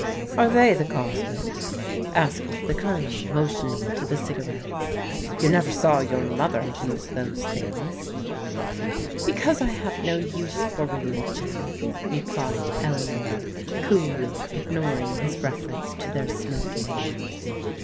"Are they the cause of it? " asked the Colonel, motion ing to the cigarettes. " You never saw your mother use those things." " Because I have no use for religion," replied Eleanor, coolly ignoring his reference to their smoking.